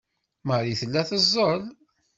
Marie tella teẓẓel.